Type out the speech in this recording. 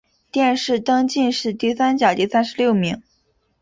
殿试登进士第三甲第三十六名。